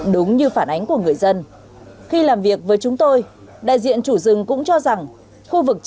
đúng như phản ánh của người dân khi làm việc với chúng tôi đại diện chủ rừng cũng cho rằng khu vực